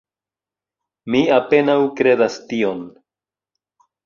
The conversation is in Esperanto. Mi apenaŭ kredas tion.